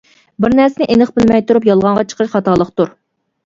بىر نەرسىنى ئېنىق بىلمەي تۇرۇپ يالغانغا چىقىرىش خاتالىقتۇر.